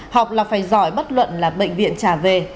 học là phải giỏi bất luận là bệnh viện trả về